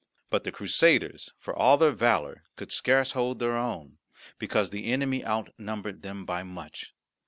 But the Crusaders, for all their valour, could scarce hold their own, because the enemy outnumbered them by much.